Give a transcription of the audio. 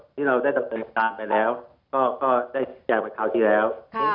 ที่เราได้จัดการก่อนค่าทีแล้ว